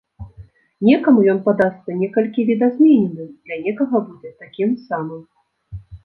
Некаму ён падасца некалькі відазмененым, для некага будзе такім самым.